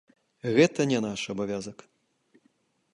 Гэта не наш абавязак.